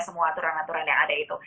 semua aturan aturan yang ada itu